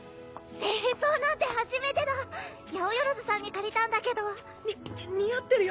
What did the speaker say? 正装なんて初めてだ八百万さんに借りたんだけど。に似合ってるよ